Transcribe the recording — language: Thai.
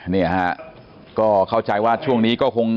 เนี่ยฮะก็เข้าใจว่าช่วงนี้ก็คง